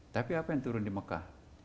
tapi apa yang turun di mekah